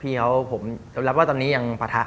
พี่เขาผมยอมรับว่าตอนนี้ยังปะทะ